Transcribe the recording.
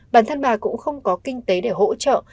bản thân bà cũng không có kinh tế để hỗ trợ